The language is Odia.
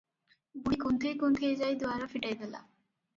ବୁଢ଼ୀ କୁନ୍ଥେଇ କୁନ୍ଥେଇ ଯାଇ ଦୁଆର ଫିଟାଇ ଦେଲା ।